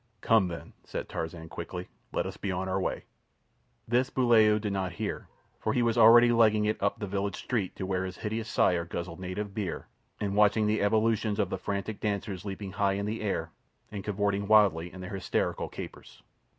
"Come, then," said Tarzan quickly, "let us be on our way." This Buulaoo did not hear, for he was already legging it up the village street to where his hideous sire guzzled native beer, and watched the evolutions of the frantic dancers leaping high in the air and cavorting wildly in their hysterical capers.